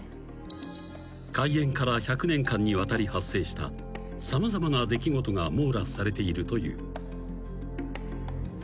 ［開園から１００年間にわたり発生した様々な出来事が網羅されているという］